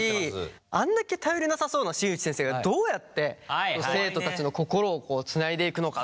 あんだけ頼りなさそうな新内先生がどうやって生徒たちの心をこうつないでいくのかっていう。